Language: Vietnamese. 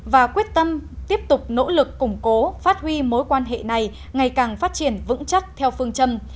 và quyết tâm tiếp tục nỗ lực củng cố phát huy mối quan hệ này ngày càng phát triển vững chắc theo phương châm